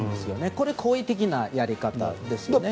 これ、好意的なやり方ですよね。